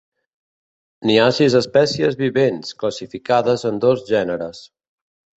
N'hi ha sis espècies vivents, classificades en dos gèneres.